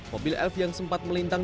mobil elf yang sempat melintang